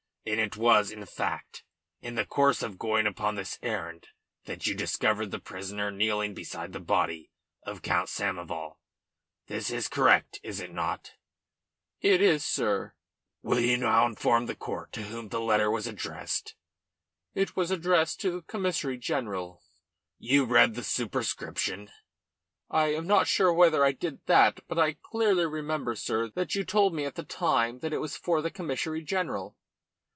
And it was in fact in the course of going upon this errand that you discovered the prisoner kneeling beside the body of Count Samoval. This is correct, is it not?" "It is, sir." "Will you now inform the court to whom that letter was addressed?" "It was addressed to the Commissary General." "You read the superscription?" "I am not sure whether I did that, but I clearly remember, sir, that you told me at the time that it was for the Commissary General."